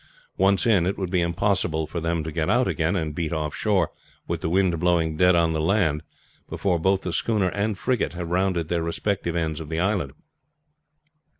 Once in, it would be impossible for them to get out again and beat off shore with the wind blowing dead on the land, before both the schooner and frigate had rounded their respective ends of the island.